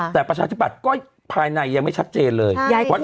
แต่ประชาธิบัติก็ภายในยังไม่ชัดเจนเลย